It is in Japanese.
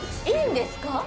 いいんですか？